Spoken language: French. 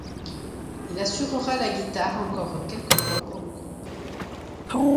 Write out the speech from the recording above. Il assurera la guitare encore quelques fois pour le groupe.